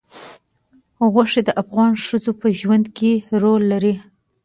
غوښې د افغان ښځو په ژوند کې رول لري.